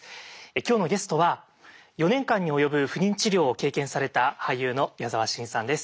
今日のゲストは４年間に及ぶ不妊治療を経験された俳優の矢沢心さんです。